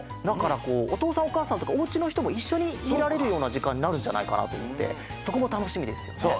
だからこうおとうさんおかあさんとかおうちのひともいっしょにみられるようなじかんになるんじゃないかなとおもってそこもたのしみですよね。